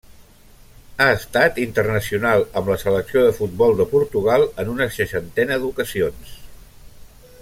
Ha estat internacional amb la selecció de futbol de Portugal en una seixantena d'ocasions.